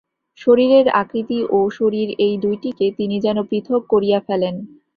শরীরের আকৃতি ও শরীর এই দুইটিকে তিনি যেন পৃথক করিয়া ফেলেন।